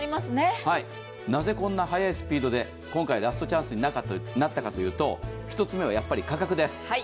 なぜ、こんな早いスピードで、今回ラストチャンスになったかというと、１つ目はやっぱり価格です。